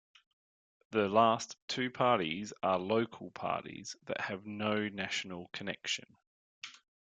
The last two parties are local parties that have no national connection.